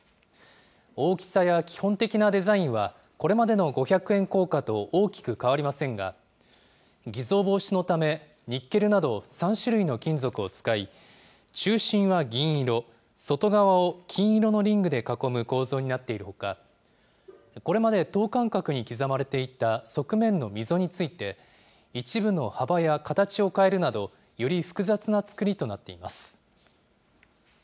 大きさや基本的なデザインは、これまでの五百円硬貨と大きく変わりませんが、偽造防止のため、ニッケルなど、３種類の金属を使い、中心は銀色、外側を金色のリングで囲む構造になっているほか、これまで等間隔に刻まれていた側面の溝について、一部の幅や形を変えるなど、より複雑な造りとなっています。